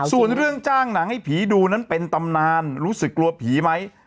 ส่วนเรื่องจ้างหนังให้ผีดูนั้นเป็นตำนานรู้สึกกลัวผีไหม